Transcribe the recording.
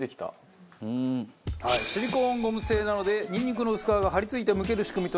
シリコーンゴム製なのでニンニクの薄皮が張り付いてむける仕組みとなっております。